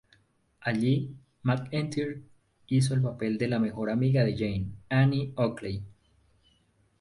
Allí, McEntire hizo el papel de la mejor amiga de Jane, Annie Oakley.